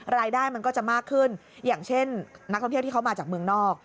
รายได้มันก็จะมากขึ้นอย่างเช่นนักท่องเที่ยวที่เขามาจากเมืองนอก